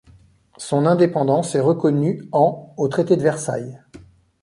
Son indépendance est reconnue en au traité de Versailles.